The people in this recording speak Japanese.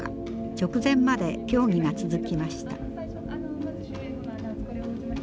直前まで協議が続きました。